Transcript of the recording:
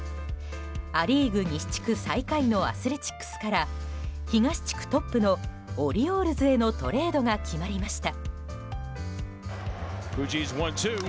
ア・リーグ西地区最下位のアスレチックスから東地区トップのオリオールズへのトレードが決まりました。